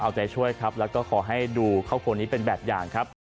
เอาใจช่วยครับแล้วก็ขอให้ดูครอบครัวนี้เป็นแบบอย่างครับ